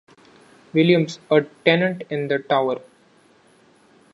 Williams, a tenant in the tower.